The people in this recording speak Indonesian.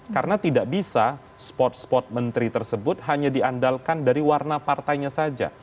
karena tidak bisa spot spot menteri tersebut hanya diandalkan dari warna partainya saja